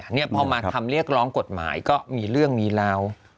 เนี่ยพอมาคำเรียกร้องกฎหมายก็มีเรื่องมีราว